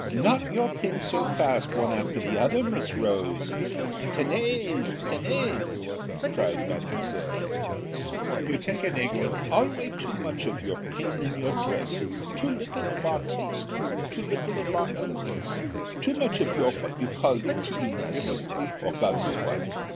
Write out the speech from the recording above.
"Not your pin so fast one after de other Miss Rose Tenez! tenez!" cried mademoiselle. "You tink in England alway too much of your pin in your dress, too little of our taste too little of our elegance, too much of your what you call tidiness, or God know what!